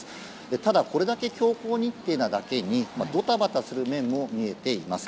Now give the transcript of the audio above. ただ、これだけ強行日程なだけにドタバタする面も見えています。